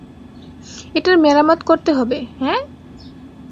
এটার মেরামত করতে হবে, - হ্যাঁ।